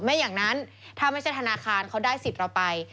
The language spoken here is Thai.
ไม่อย่างนั้นถ้าไม่ใช่ธนาคารเขาได้สิทธิ์เราไป